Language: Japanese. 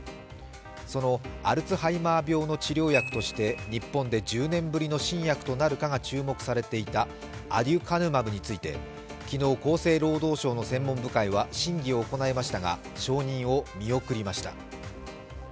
そのアルツハイマー病の治療薬として日本で１０年ぶりの新薬となるかが注目されていたアデュカヌマブについて、昨日厚生労働省の専門部会は審議を行いましたが承認を見送りました。